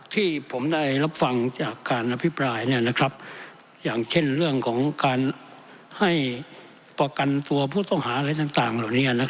ที่ผมได้รับฟังจากการอภิปรายอย่างเช่นเรื่องของการให้ประกันตัวผู้ต้องหาอะไรต่างเหล่านี้